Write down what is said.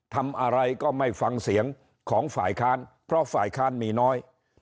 ทำอะไรก็ไม่ฟังเสียงของฝ่ายค้านเพราะฝ่ายค้านมีน้อย